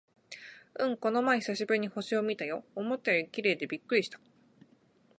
うん、この前久しぶりに星を見たよ。思ったより綺麗でびっくりした！